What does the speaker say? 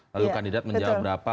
lalu kandidat menjawab berapa